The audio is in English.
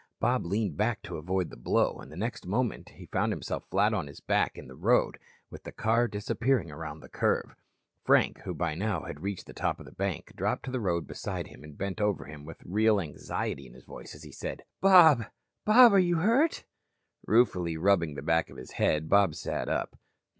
Bob leaned back to avoid the blow, and the next moment found himself flat on his back in the road, with the car disappearing around the curve. Frank, who by now had reached the top of the bank, dropped to the road beside him and bent over him with real anxiety in his voice as he said: "Bob, Bob, are you hurt?" Ruefully rubbing the back of his head, Bob sat up.